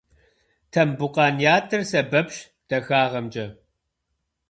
Тамбукъан ятӏэр сэбэпщ дахагъэмкӏэ.